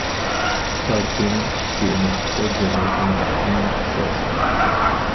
پارتىيەنىڭ ئىچكى ئىناقلىقى جەمئىيەت ئىناقلىقىنىڭ ئاساسى.